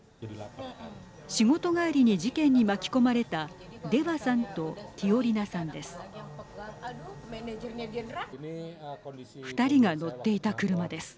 仕事帰りに事件に巻き込まれたデワさんとティオリナさんです。